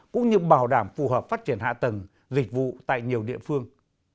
cũng như bảo đảm phù hợp phát triển hạ tầng dịch vụ tại nhiều địa phương